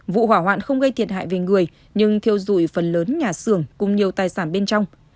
vụ hỏa hoạn không gây thiệt hại về người nhưng thiêu dụi phần lớn nhà xưởng cùng nhiều tài sản bên trong